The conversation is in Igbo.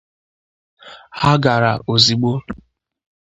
ha gara ozigbo